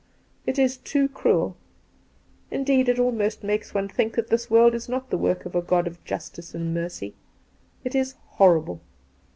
It is too cruel. Indeed, it almost makes one think that this world is not the work of a God of Justice and Mercy. It is horrible!